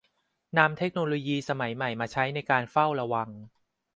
นำเทคโนโลยีสมัยใหม่มาใช้ในการเฝ้าระวัง